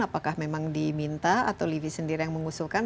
apakah memang diminta atau livi sendiri yang mengusulkan